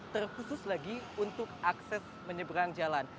terkhusus lagi untuk akses menyeberang jalan